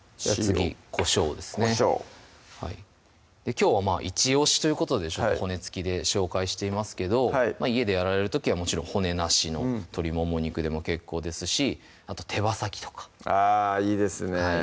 きょうは「イチオシ！」ということで骨付きで紹介していますけど家でやられる時はもちろん骨なしの鶏もも肉でも結構ですしあと手羽先とかあぁいいですね